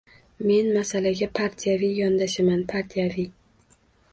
— Men masalaga partiyaviy yondashaman, partiyaviy!